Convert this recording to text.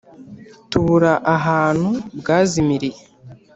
Tubura ahantu bwazimiriye.